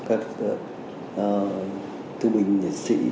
các thương binh liệt sĩ